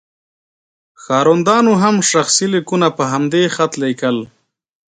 ښاروندانو هم شخصي لیکونه په همدې خط لیکل.